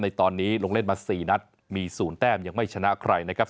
ในตอนนี้ลงเล่นมา๔นัดมี๐แต้มยังไม่ชนะใครนะครับ